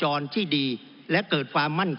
จึงฝากกลับเรียนเมื่อเรามีการแก้รัฐพาหารกันอีก